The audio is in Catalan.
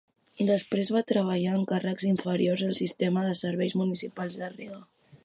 Després va treballar en càrrecs inferiors al sistema de serveis municipals de Riga.